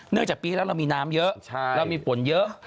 เนื่องจากปีเมื่อเล่าเรามีน้ำเยอะเรามีฝนเยอะ